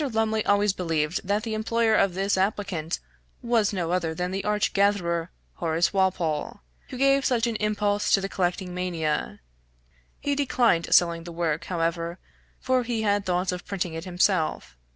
Lumley always believed that the employer of this applicant was no other than that arch gatherer, Horace Walpole, who gave such an impulse to the collecting mania; he declined selling the work, however, for he had thoughts of printing it himself.